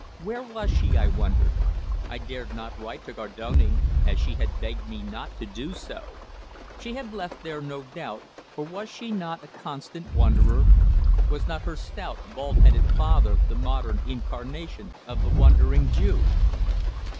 Where was she, I wondered? I dared not write to Gardone, as she had begged me not to do so. She had left there, no doubt, for was she not a constant wanderer? Was not her stout, bald headed father the modern incarnation of the Wandering Jew?